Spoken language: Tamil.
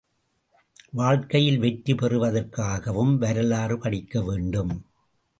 வாழ்க்கையில் வெற்றி பெறுவதற்காகவும் வரலாறு படிக்க வேண்டும்.